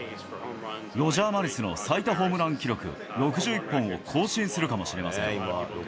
ロジャー・マリスの最多ホームラン記録６１本を更新するかもしれません。